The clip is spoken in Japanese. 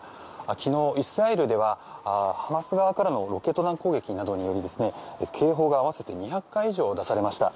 昨日、イスラエルではハマス側からのロケット弾攻撃などにより警報が合わせて２００回以上出されました。